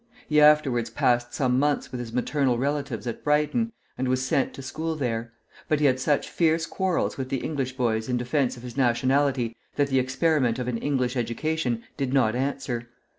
He afterwards passed some months with his maternal relatives at Brighton, and was sent to school there; but he had such fierce quarrels with the English boys in defence of his nationality that the experiment of an English education did not answer.